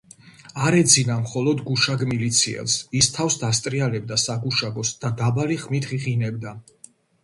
არ ეძინა მხოლოდ გუშაგ მილიციელს, ის თავს დასტრიალებდა საგუშაგოს და დაბალი ხმით ღიღინებდა